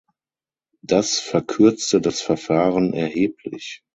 Das verkürzte das Verfahren erheblich.